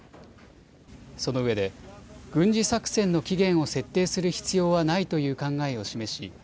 そのうえで軍事作戦の期限を設定する必要はないという考えを示し